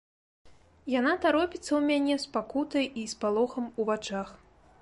Яна таропіцца ў мяне з пакутай і спалохам у вачах.